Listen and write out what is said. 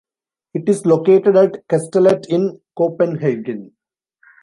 It is located at Kastellet in Copenhagen.